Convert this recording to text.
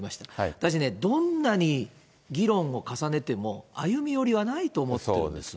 私ね、どんなに議論を重ねても、歩み寄りはないと思ってるんですよ。